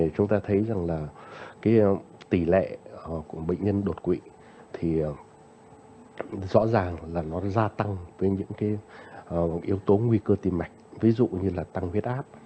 chúng ta thấy tỷ lệ của bệnh nhân đột quỵ rõ ràng ra tăng với những yếu tố nguy cơ tìm mạch ví dụ như tăng huyết áp